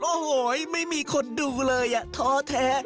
โอ้โหไม่มีคนดูเลยท้อแท้